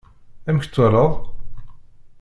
Amek twalaḍ?